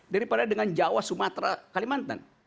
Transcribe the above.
daripada dengan jawa sumatera kalimantan